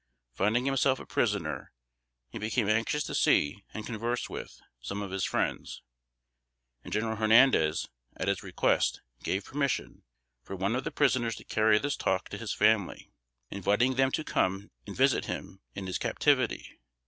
Finding himself a prisoner, he became anxious to see, and converse with, some of his friends; and General Hernandez, at his request, gave permission, for one of the prisoners to carry this talk to his family, inviting them to come and visit him in his captivity.